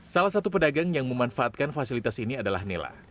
salah satu pedagang yang memanfaatkan fasilitas ini adalah nela